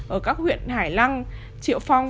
ở các huyện hải lăng triệu phong